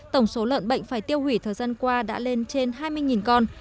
tổng số lợn bệnh phải tiêu hủy thời gian qua đã lên trên hai mươi con